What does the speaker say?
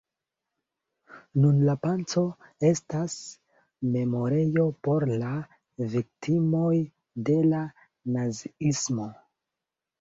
Nun la placo estas memorejo por la viktimoj de la naziismo.